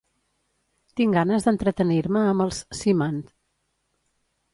Tinc ganes d'entretenir-me amb els "Simant".